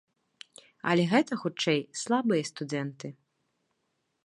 Але гэта, хутчэй, слабыя студэнты.